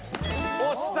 押した！